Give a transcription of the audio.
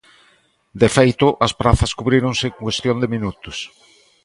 De feito, as prazas cubríronse en cuestión de minutos.